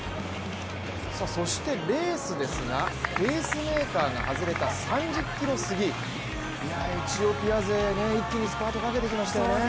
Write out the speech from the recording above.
そしてレースですがペースメーカーが外れた３０ｋｍすぎエチオピア勢、一気にスパートかけてきましたよね。